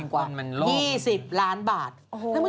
สวัสดีค่าข้าวใส่ไข่